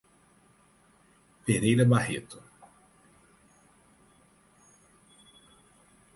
Pereira Barreto